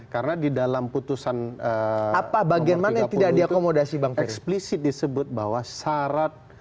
karena di dalam putusan apa bagaimana tidak diakomodasi bank eksplisit disebut bahwa syarat